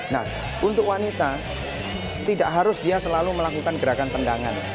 nah untuk wanita tidak harus dia selalu melakukan gerakan tendangan